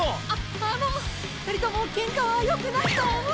ああの２人ともケンカはよくないと思う。